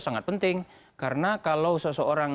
sangat penting karena kalau seseorang